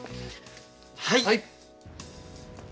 はい。